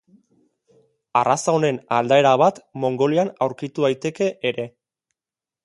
Arraza honen aldaera bat Mongolian aurkitu daiteke ere.